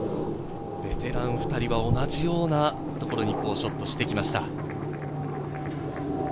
ベテラン２人は同じようなところにショットしてきました。